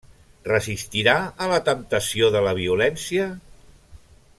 Resistirà a la temptació de la violència?